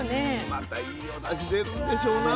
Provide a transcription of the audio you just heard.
またいいの出してるんでしょうな